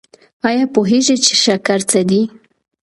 ایا پوهیږئ چې شکر څه دی؟